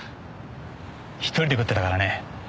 １人で食ってたからね。